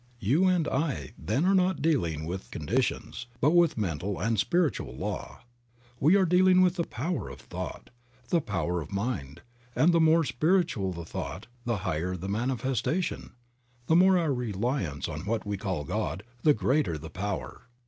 You and I, then, are not dealing with conditions, but with mental and spiritual law. We are dealing with the power of thought, the power of mind, and the more spiritual the thought the higher the manifestation. The more our reliance upon what we call God, the greater the power.